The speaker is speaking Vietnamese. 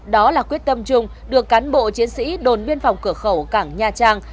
đó là quyết tâm chung được cán bộ chiến sĩ đồn biên phòng cửa khẩu cảng nha trang